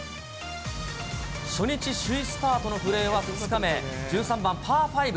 初日首位スタートの古江は２日目、１３番パー５。